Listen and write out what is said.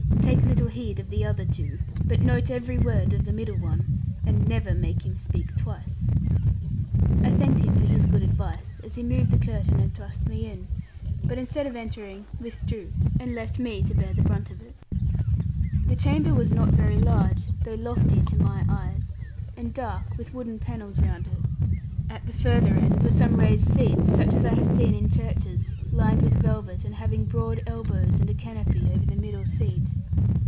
Take little heed of the other two; but note every word of the middle one; and never make him speak twice.' I thanked him for his good advice, as he moved the curtain and thrust me in, but instead of entering withdrew, and left me to bear the brunt of it. The chamber was not very large, though lofty to my eyes, and dark, with wooden panels round it. At the further end were some raised seats, such as I have seen in churches, lined with velvet, and having broad elbows, and a canopy over the middle seat.